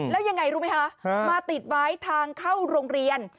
แล้วยังไงรู้ไหมคะมาติดไว้ทางเข้าโรงเรียน